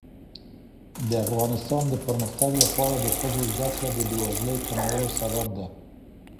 د افغانستان د پرمختګ لپاره د ښځو زدهکړه د بیوزلۍ کمولو سبب ده.